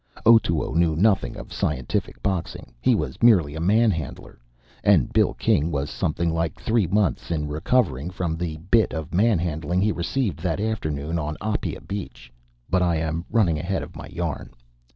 Otoo knew nothing of scientific boxing. He was merely a manhandler; and Bill King was something like three months in recovering from the bit of manhandling he received that afternoon on Apia beach. But I am running ahead of my yarn.